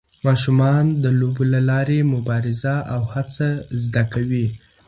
ماشومان د لوبو له لارې مبارزه او هڅه زده کوي.